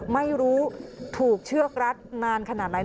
ไม่รู้ถูกเชือกรัดนานขนาดไหน